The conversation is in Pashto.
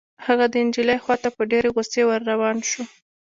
هغه د نجلۍ خوا ته په ډېرې غصې ور روان شو.